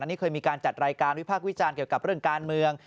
นี่เคยมีการจัดรายการวิพากษ์วิจารณ์เกี่ยวกับเรื่องการเมือง